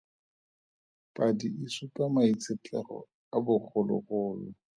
Padi e supa maitshetlego a bogologolo.